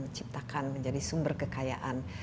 menciptakan menjadi sumber kekayaan